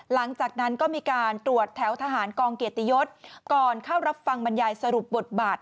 หลังจากนั้นก็มีการตรวจแถวทหารกองเกียรติยศก่อนเข้ารับฟังบรรยายสรุปบทบาท